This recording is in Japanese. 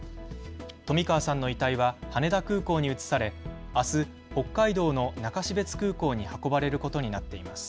冨川さんの遺体は羽田空港に移され、あす北海道の中標津空港に運ばれることになっています。